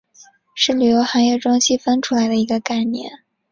是旅游行业中细分出来的一个概念。